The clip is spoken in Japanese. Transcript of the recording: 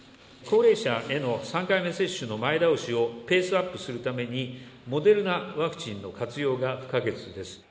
高齢者への３回目接種の前倒しをペースアップするために、モデルナワクチンの活用が不可欠です。